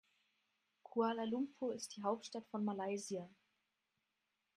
Kuala Lumpur ist die Hauptstadt von Malaysia.